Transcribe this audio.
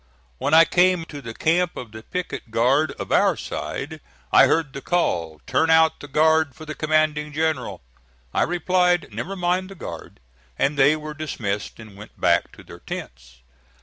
When I came to the camp of the picket guard of our side, I heard the call, "Turn out the guard for the commanding general." I replied, "Never mind the guard," and they were dismissed and went back to their tents.